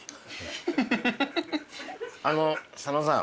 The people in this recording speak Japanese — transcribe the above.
あの佐野さん